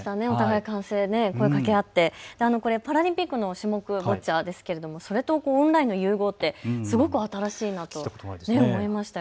お互い、声をかけ合ってパラリンピックの種目のボッチャですけれどもこのオンラインの融合ってすごく新しいなと思いますた。